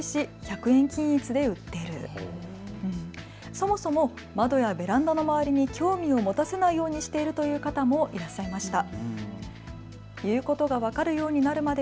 そもそも窓やベランダの周りに興味を持たせないようにしているという方もいらっしゃいました。